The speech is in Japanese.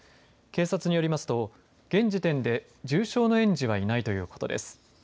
警察によりますと現時点で重傷の園児はいないということです。